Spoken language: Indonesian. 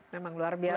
memang luar biasa